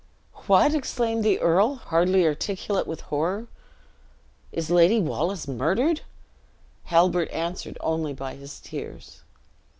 "What!" exclaimed the earl, hardly articulate with horror; "is Lady Wallace murdered?" Halbert answered only by his tears.